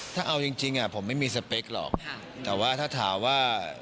ถ้าเอาจริงจริงผมไม่มีสเปคหรอกแต่ว่าถ้าถามว่า